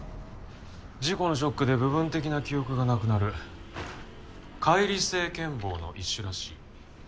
事故のショックで部分的な記憶がなくなる解離性健忘の一種らしい。